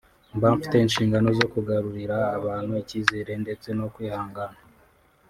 mba mfite inshingano zo kugarurira abantu icyizere ndetse no kwihangana